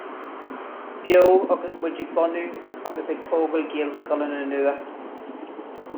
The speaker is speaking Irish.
Beo agus muid ag bunú agus ag tógáil Gaelscoileanna nua